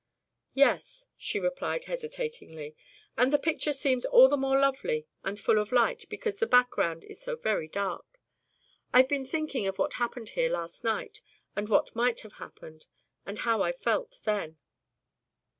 "Yes," she replied hesitatingly, "and the picture seems all the more lovely and full of light because the background is so very dark. I've been thinking of what happened here last night and what might have happened, and how I felt then."